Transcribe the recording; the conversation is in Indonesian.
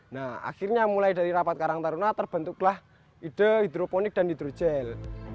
nah akhirnya mulai dari rapat karang taruna terbentuklah ide hidroponik dan hidrogel